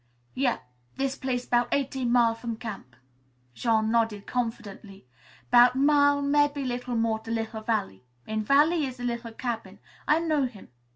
"Yep; this place 'bout eighteen mile from camp," Jean nodded confidently. "'Bout mile mebbe little more to little valley. In valley is the little cabin. I know him.